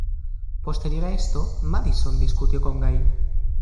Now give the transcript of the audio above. Posterior a esto Madison discutió con Gail.